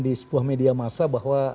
di sebuah media masa